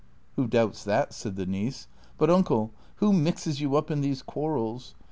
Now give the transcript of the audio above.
"Who doubts that?" said the niece; "but, uncle, who mixes you up in these quarrels ?